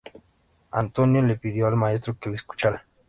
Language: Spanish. Antonio le pidió al maestro que le escuchara.